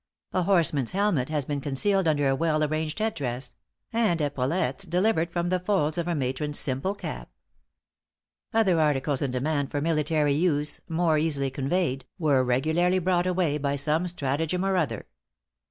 A horseman's helmet has been concealed under a well arranged head dress; and epaulettes delivered from the folds of a matron's simple cap. Other articles in demand for military use, more easily conveyed, were regularly brought away by some stratagem or other.